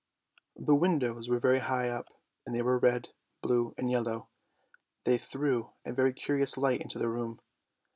The windows were very high up, and they were red, blue, and yellow; they threw a very curious light into the room.